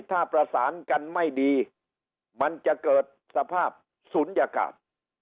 ถ้าประสานกันไม่ดีมันจะเกิดสภาพศูนยากาศ